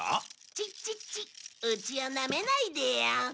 チッチッチッうちをナメないでよ。